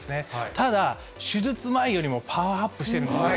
ただ、手術前よりもパワーアップしてるんですよ。